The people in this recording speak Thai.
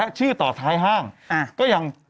ชื่อต่อท้ายห้างก็ยัง